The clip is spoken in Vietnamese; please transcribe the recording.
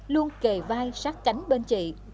luôn kề vai sát cánh bên chị